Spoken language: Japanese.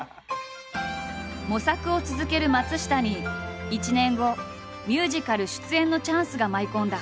模索を続ける松下に１年後ミュージカル出演のチャンスが舞い込んだ。